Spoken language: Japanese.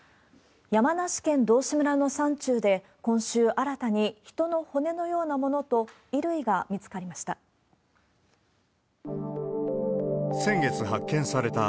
山梨県道志村の山中で、今週新たに、人の骨のようなものと衣類が見つかりました。